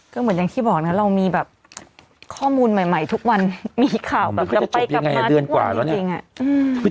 ก็เหมือนอย่างที่บอกนะเรามีแบบข้อมูลใหม่ทุกวันมีข่าวแบบเราไปกลับมาเดือนกว่าแล้วจริงอ่ะอืม